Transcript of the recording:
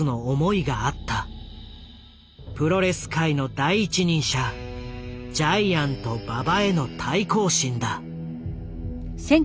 プロレス界の第一人者ジャイアント馬場への対抗心だ。